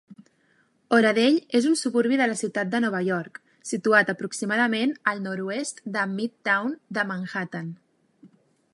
Oradell és un suburbi de la ciutat de Nova York, situat aproximadament al nord-oest del Midtown de Manhattan.